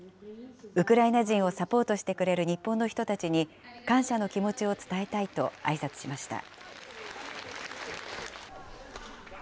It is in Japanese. ウクライナ人をサポートしてくれる日本の人たちに、感謝の気持ちを伝えたいとあいさつしました。